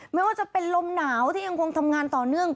ไม่ว่าจะเป็นลมหนาวที่ยังคงทำงานต่อเนื่อง